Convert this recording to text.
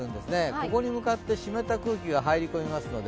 ここに向かって湿った空気が入り込みますので、